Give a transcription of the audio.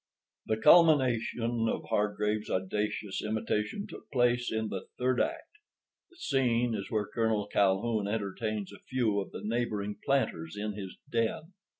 The culmination of Hargraves audacious imitation took place in the third act. The scene is where Colonel Calhoun entertains a few of the neighboring planters in his "den."